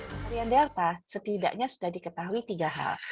varian delta setidaknya sudah diketahui tiga hal